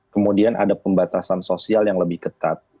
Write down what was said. kemudian ada pembatasan sosial yang lebih ketat